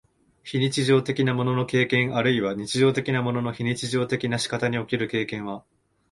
非日常的なものの経験あるいは日常的なものの非日常的な仕方における経験は、